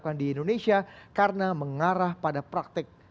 menurut mui karya akademik aziz ini dianggap masuk dalam kategori pemikiran yang menyimpang